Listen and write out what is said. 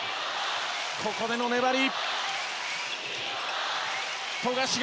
ここでの粘り。